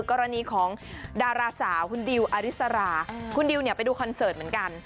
กรณีของดาราสาวคุณดิวอริสราคุณดิวเนี่ยไปดูคอนเสิร์ตเหมือนกัน